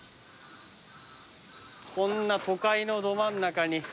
こんな都会のど真ん中に。